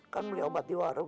kan beli obat di warung